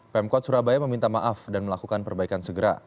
pemkot surabaya meminta maaf dan melakukan perbaikan segera